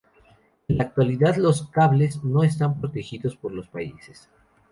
En la actualidad los cables no están protegidos por los países.